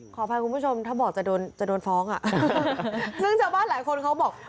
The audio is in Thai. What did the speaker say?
ขออภัยคุณผู้ชมถ้าบอกจะโดนจะโดนฟ้องอ่ะซึ่งชาวบ้านหลายคนเขาบอก